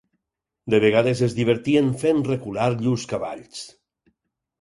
De vegades es divertien fent recular llurs cavalls